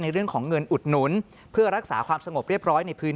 เรื่องของเงินอุดหนุนเพื่อรักษาความสงบเรียบร้อยในพื้น